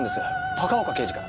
高岡刑事から。